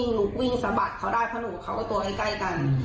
หนูก็วิ่งสะบัดเค้าได้เพราะหนูกับเค้าก็ตัวให้ใกล้กัน